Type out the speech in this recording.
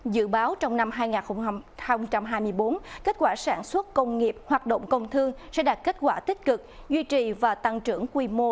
dự báo trong năm hai nghìn hai mươi bốn kết quả sản xuất công nghiệp hoạt động công thương sẽ đạt kết quả tích cực duy trì và tăng trưởng quy mô